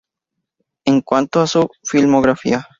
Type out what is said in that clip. En cuanto a su filmografía.